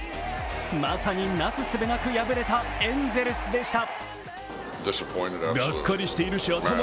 まさになすすべなく敗れたエンゼルスでした。